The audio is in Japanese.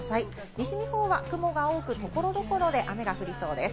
西日本は雲が多く、所々で雨が降りそうです。